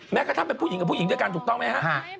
แม้กระทั่งเป็นผู้หญิงกับผู้หญิงด้วยกันถูกต้องไหมฮะ